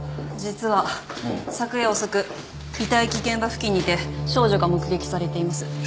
実は昨夜遅く遺体遺棄現場付近にて少女が目撃されています。